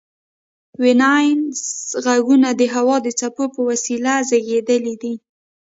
ویناییز غږونه د هوا د څپو په وسیله زیږیدلي دي